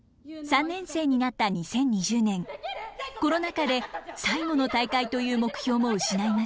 ３年生になった２０２０年コロナ禍で最後の大会という目標も失いました。